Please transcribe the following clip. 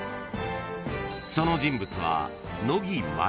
［その人物は］